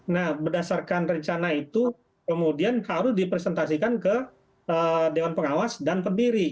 nah berdasarkan rencana itu kemudian harus dipresentasikan ke dewan pengawas dan pendiri